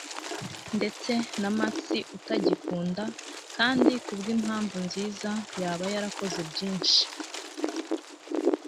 Ndetse na Max, utagikunda, kandi kubwimpamvu nziza, yaba yarakoze byinshi